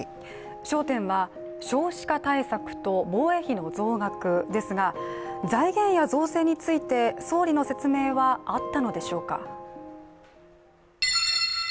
焦点は少子化対策と防衛費の増額ですが、財源や増税について、総理の説明はあったのでしょうか。